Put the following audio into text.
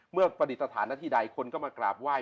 เมื่อประดิษฐานที่ใดคนก็มากราบไหว้